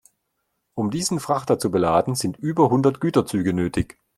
Um diesen Frachter zu beladen, sind über hundert Güterzüge nötig.